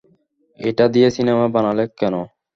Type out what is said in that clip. এটা দিয়ে সিনেমা বানালে কেন?